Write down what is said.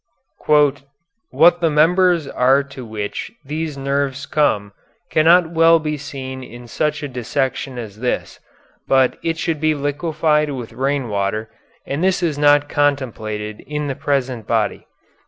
"What the members are to which these nerves come cannot well be seen in such a dissection as this, but it should be liquefied with rain water, and this is not contemplated in the present body."